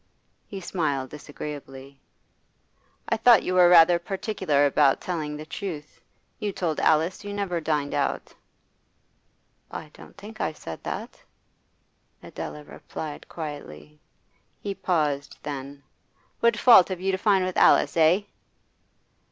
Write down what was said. He smiled disagreeably. 'I thought you were rather particular about telling the truth. You told Alice you never dined out.' 'I don't think I said that,' Adela replied quietly. He paused; then: 'What fault have you to find with Alice, eh?